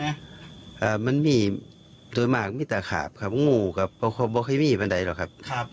อ่ามันมีโดยมากมีตะขาบครับงูกับไม่เคยมีบ้านใดหรอกครับ